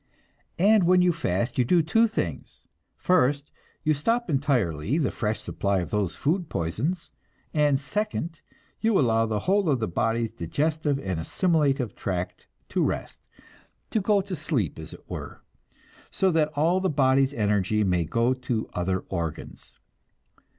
And when you fast you do two things: first, you stop entirely the fresh supply of those food poisons, and second, you allow the whole of the body's digestive and assimilative tract to rest to go to sleep, as it were so that all the body's energy may go to other organs.